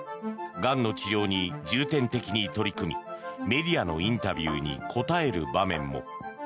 がんの治療に重点的に取り組みメディアのインタビューに答える場面も。